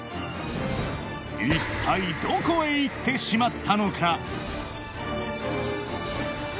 一体どこへ行ってしまったのか？